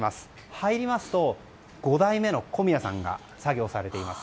入りますと５代目の小宮さんが作業されています。